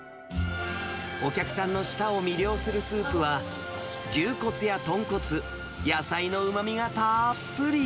お客さんの舌を魅了するスープは、牛骨や豚骨、野菜のうまみがたーっぷり。